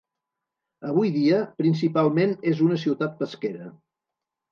Avui dia, principalment és una ciutat pesquera.